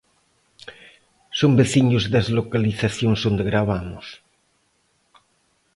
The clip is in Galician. Son veciños das localizacións onde gravamos.